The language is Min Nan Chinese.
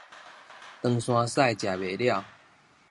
唐山屎食袂了